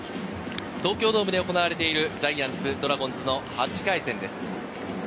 東京ドームで行われているジャイアンツ、ドラゴンズの８回戦です。